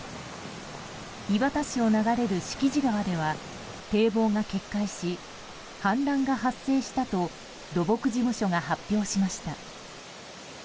磐田市を流れる敷地川では堤防が決壊し、氾濫が発生したと土木事務所が発表しました。